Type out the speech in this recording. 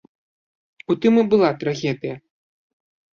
У тым і была трагедыя.